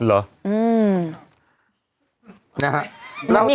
มีคำถามแบบไหน